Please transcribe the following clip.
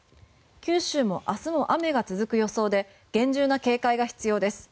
九州も明日も雨が続く予想で厳重な警戒が必要です。